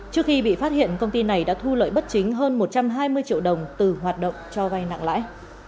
trước khi bị phát hiện công ty này đã thu lợi bất chính hơn một trăm hai mươi triệu đồng từ hoạt động cho vay nặng lãi